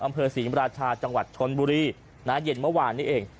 อำเภอศรีมราชาจังหวัดชนบุรีนะเย็นเมื่อวานนี้เอง